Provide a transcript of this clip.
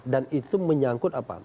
dan itu menyangkut apa